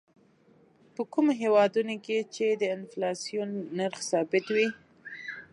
په کومو هېوادونو کې چې د انفلاسیون نرخ ثابت وي.